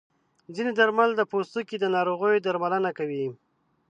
ځینې درمل د پوستکي د ناروغیو درملنه کوي.